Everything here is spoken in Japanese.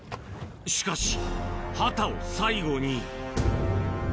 しかし、ハタを最後に。